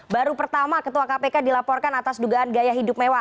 baru pertama ketua kpk dilaporkan atas dugaan gaya hidup mewah